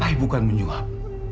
saya bukan menyuap